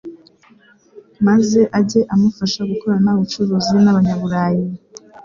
maze ajye amufasha gukorana ubucuruzi n'Abanyaburayi.